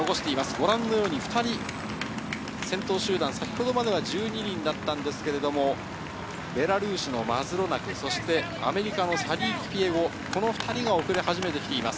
ご覧のように２人先頭集団、先ほどまでは１２人でしたが、ベラルーシのマズロナク、アメリカのサリー・キピエゴ、この２人が遅れ始めてきています。